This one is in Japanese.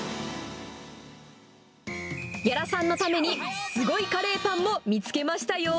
屋良さんのために、すごいカレーパンも見つけましたよ。